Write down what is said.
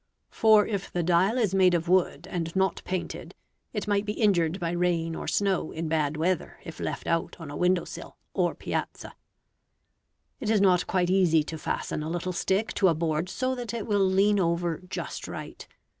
For if the dial is made of wood, and not painted, it might be injured by rain or snow in bad weather if left out on a window sill or piazza. [Illustration: Fig. 1.] It is not quite easy to fasten a little stick to a board so that it will lean over just right.